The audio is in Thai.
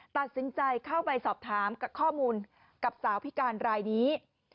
ตัดสินใจเข้าไปสอบถามกับข้อมูลกับสาวพิการรายนี้